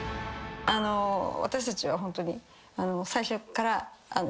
私たちはホントに。